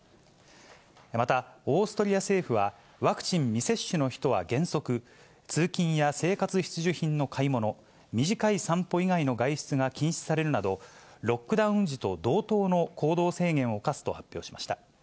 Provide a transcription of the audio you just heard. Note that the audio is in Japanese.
また、オーストリア政府はワクチン未接種の人は原則、通勤や生活必需品の買い物、短い散歩以外の外出が禁止されるなど、ロックダウン時と同等の行動制限を課すと発表しました。